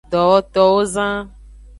Dowotowozan.